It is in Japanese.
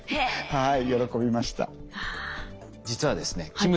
はい。